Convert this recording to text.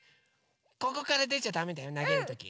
ここからでちゃだめだよなげるとき。